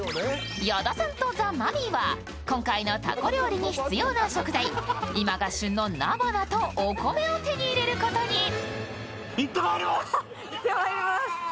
矢田さんとザ・マミィは今回のタコ料理に必要な食材今が旬の菜花とお米を手に入れることに。